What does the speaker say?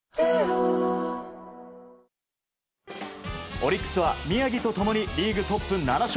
オリックスは宮城と共にリーグトップ７勝。